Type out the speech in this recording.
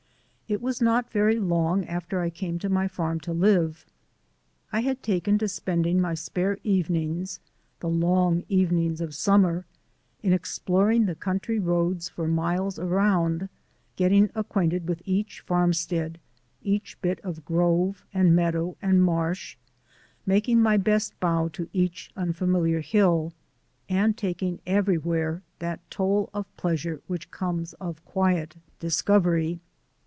It was not very long after I came to my farm to live. I had taken to spending my spare evenings the long evenings of summer in exploring the country roads for miles around, getting acquainted with each farmstead, each bit of grove and meadow and marsh, making my best bow to each unfamiliar hill, and taking everywhere that toll of pleasure which comes of quiet discovery.